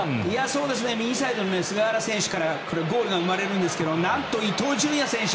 右サイドの菅原選手からゴールが生まれるんですけど伊東純也選手